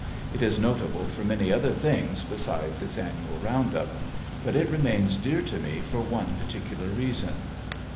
It is notable for many other things besides its annual round up. But it remains dear to me for one particular reason.